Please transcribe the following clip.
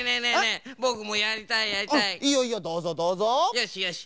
よしよし。